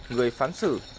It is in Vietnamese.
người phán xử